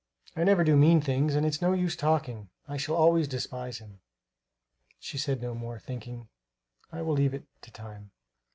"I never do mean things. And it's no use talking; I shall always despise him." She said no more, thinking, "I will leave it to time.